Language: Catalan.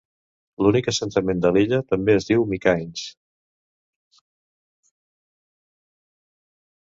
L'únic assentament de l'illa també es diu Mykines.